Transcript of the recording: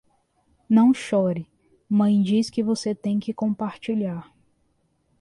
Não chore, mãe diz que você tem que compartilhar.